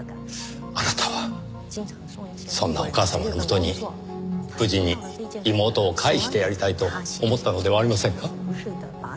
あなたはそんなお母様の元に無事に妹を帰してやりたいと思ったのではありませんか？